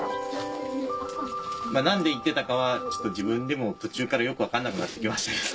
何で行ってたかはちょっと自分でも途中からよく分かんなくなって来ましたけど。